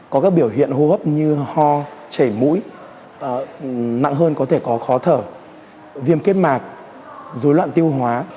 có các biểu hiện hô hấp như ho chảy mũi nặng hơn có thể có khó thở viêm kết mạc dối loạn tiêu hóa